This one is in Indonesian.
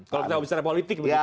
kalau kita bicara politik